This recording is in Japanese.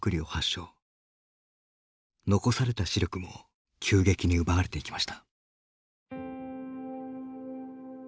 残された視力も急激に奪われていきました。